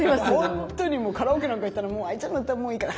本当にカラオケなんか行ったら「もうＡＩちゃんの歌もういいから」。